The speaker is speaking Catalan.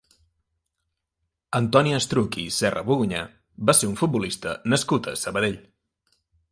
Antoni Estruch i Serrabogunyà va ser un futbolista nascut a Sabadell.